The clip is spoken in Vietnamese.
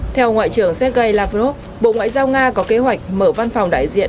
theo ngoại trưởng sergei lavrov bộ ngoại giao nga có kế hoạch mở văn phòng đại diện